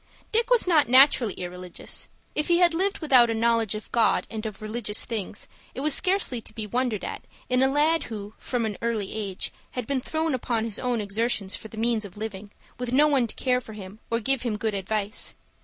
Dick was not naturally irreligious. If he had lived without a knowledge of God and of religious things, it was scarcely to be wondered at in a lad who, from an early age, had been thrown upon his own exertions for the means of living, with no one to care for him or give him good advice.